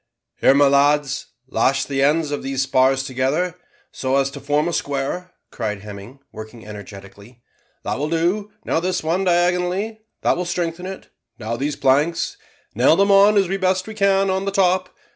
"Here, my lads, lash the ends of these spars together, so as to form a square," cried Hemming, working energetically. "That will do; now this one diagonally that will strengthen it; now these planks; nail them on as we best can on the top.